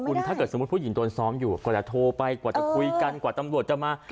คุณถ้าเกิดสมมุติผู้หญิงโดนซ้อมอยู่กว่าจะโทรไปกว่าจะคุยกันกว่าตำรวจจะมา